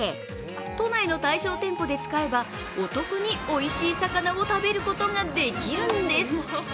都内の対象店舗で使えばお得においしい魚を食べることができるんです